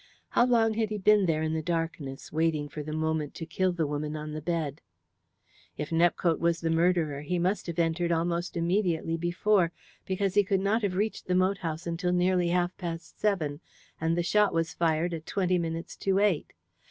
How long had he been there in the darkness, waiting for the moment to kill the woman on the bed? If Nepcote was the murderer he must have entered almost immediately before, because he could not have reached the moat house until nearly half past seven, and the shot was fired at twenty minutes to eight.